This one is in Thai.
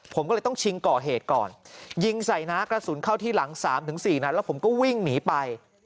ผมก็เลยต้องชิงก่อเหตุก่อนยิงใส่น้ากระสุนเข้าที่หลัง๓๔นัดแล้วผมก็วิ่งหนีไป